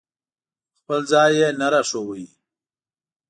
خپل ځای یې نه راښوده.